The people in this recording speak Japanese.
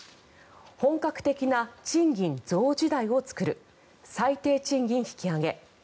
本格的な賃金増時代を作る最低賃金引き上げ。